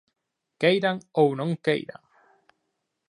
Queiran ou non queiran.